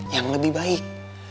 yang lebih baik